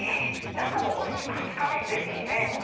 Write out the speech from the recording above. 中もすかすかですね。